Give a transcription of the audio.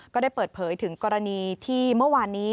ก็ได้เปิดเผยถึงกรณีที่เมื่อวานนี้